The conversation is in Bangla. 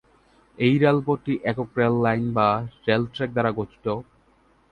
এই রেলপথটি একক রেললাইন বা রেল ট্র্যাক দ্বার গঠিত।